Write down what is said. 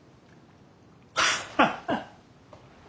ハハハッ！